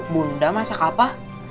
bunda masak apa